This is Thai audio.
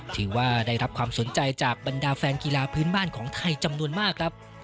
ถือว่าได้รับความสนใจจากบรรดาแฟนกีฬาพื้นบ้านของไทยจำนวนมากครับ